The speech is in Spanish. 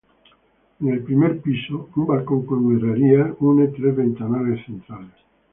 En el primer piso un balcón con herrerías une tres ventanales centrales.